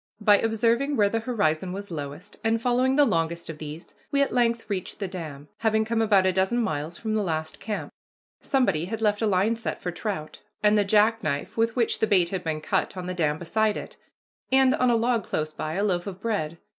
By observing where the horizon was lowest, and following the longest of these, we at length reached the dam, having come about a dozen miles from the last camp. Somebody had left a line set for trout, and the jackknife with which the bait had been cut on the dam beside it, and, on a log close by, a loaf of bread.